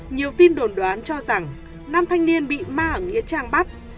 nhiều tin đồn đoán cho rằng nam thanh niên bị ma ở nghĩa trang bắt